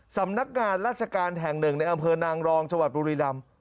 สำนักงานราชการแห่ง๑ในอำเภอนางรองชาวท์โดรีลำ